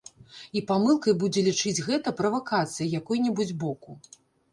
І памылкай будзе лічыць гэта правакацыяй якой-небудзь боку.